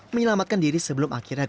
menyelamatkan diri sebelum akhirnya